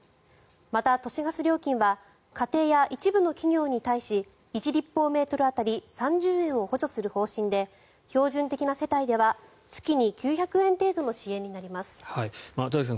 また都市ガス料金は家庭や一部の企業に対し１立方メートル当たり３０円を補助する方針で標準的な世帯では月に９００円程度の支援になります。